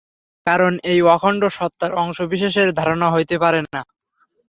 কারণ এই অখণ্ড সত্তার অংশবিশেষের ধারণা হইতে পারে না।